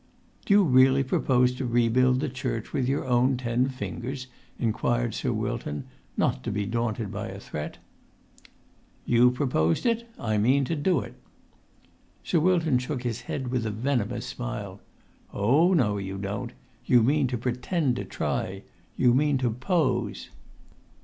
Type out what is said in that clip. "Do you really propose to rebuild the church with your own ten fingers?" inquired Sir Wilton, not to be daunted by a threat. "You proposed it. I mean to do it." Sir Wilton shook his head with a venomous smile. "Oh, no, you don't! You mean to pretend to try. You mean to pose."